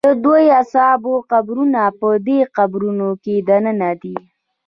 د دوو اصحابو قبرونه په دې قبرونو کې دننه دي.